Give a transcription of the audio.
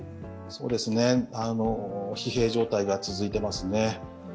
そうですね、疲弊状態が続いていますね。